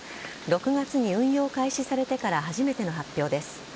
６月に運用開始されてから初めての発表です。